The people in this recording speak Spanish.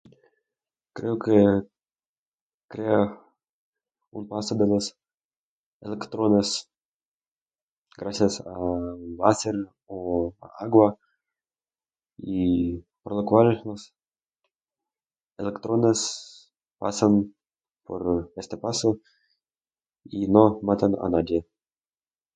Creo que crea un paso de los electrones gracias a sal o agua y por la cual los electrones pasan por este paso y no matan a nadie.